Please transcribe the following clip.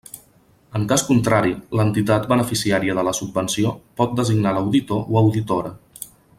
En cas contrari, l'entitat beneficiària de la subvenció pot designar l'auditor o auditora.